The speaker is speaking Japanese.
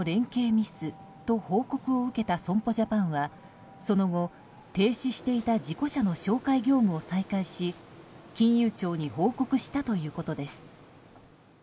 ミスと報告を受けた損保ジャパンはその後、停止していた事故車の紹介業務を再開し金融庁に報告したということです。